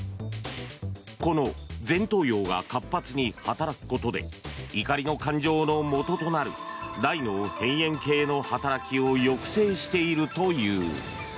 この前頭葉が活発に働くことで怒りの感情のもととなる大脳辺縁系の働きを抑制しているという。